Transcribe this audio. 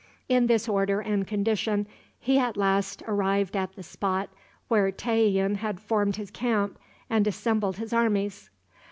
In this order and condition he at last arrived at the spot where Tayian had formed his camp and assembled his armies.